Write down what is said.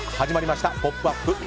始まりました「ポップＵＰ！」。